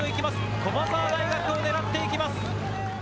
駒澤大学を狙っていきま